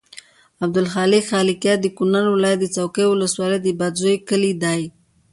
عبدالخالق خالقیار د کونړ ولایت څوکۍ ولسوالۍ بادینزو کلي دی.